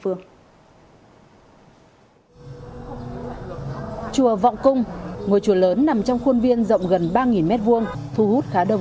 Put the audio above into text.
chùa vọng cung ngôi chùa lớn nằm trong khuôn viên rộng gần ba m hai thu hút khá đông